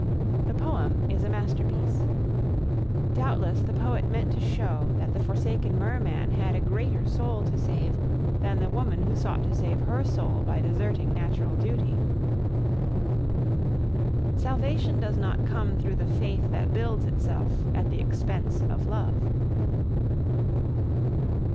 The poem is a masterpiece. Doubtless the poet meant to show that the forsaken merman had a greater soul to save than the woman who sought to save her soul by deserting natural duty. Salvation does not come through the faith that builds itself at the expense of love.